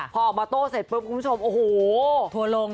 พอออกมาโต้เสร็จปุ๊บคุณผู้ชมโอ้โห